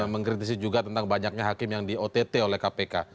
mengkritisi juga tentang banyaknya hakim yang di ott oleh kpk